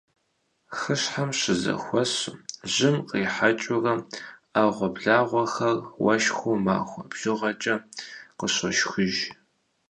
Хыщхьэм щызэхуэсу, жьым кърихьэкӀыурэ Ӏэгъуэблагъэхэм уэшхыу махуэ бжыгъэкӀэ къыщошхыж.